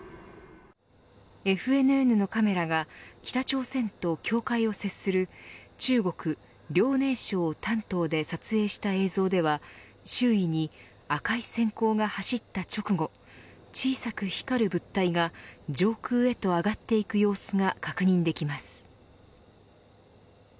ＦＮＮのカメラが北朝鮮と境界を接する中国・遼寧省丹東で撮影した映像では周囲に赤い閃光が走った直後小さく光る物体が上空へと上がっていく様子が確認できます。